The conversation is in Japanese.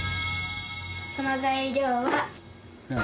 その材料は。